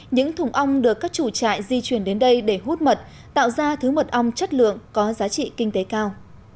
những thùng ong được các chủ trại di chuyển đến đây để hút mật tạo ra thứ mật ong chất lượng có giá trị kinh tế cao